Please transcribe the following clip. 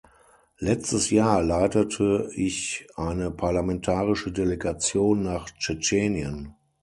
Letztes Jahr leitete ich eine parlamentarische Delegation nach Tschetschenien.